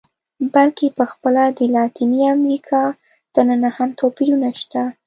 بلکې په خپله د لاتینې امریکا دننه هم توپیرونه شته.